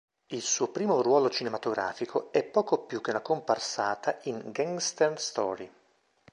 Il suo primo ruolo cinematografico è poco più che una comparsata in "Gangster Story".